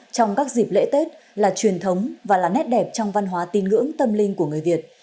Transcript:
trong các dịp lễ tết là truyền thống và là nét đẹp trong văn hóa tin ngưỡng tâm linh của người việt